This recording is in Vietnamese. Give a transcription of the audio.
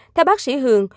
theo bác sĩ hường